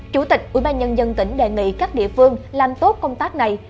chủ tịch ubnd tỉnh đề nghị các địa phương làm tốt công tác này